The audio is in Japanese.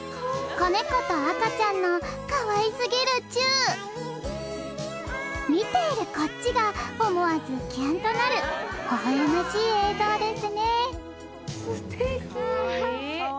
子ネコと赤ちゃんのかわいすぎるチュー見ているこっちが思わずキュンとなるほほ笑ましい映像ですね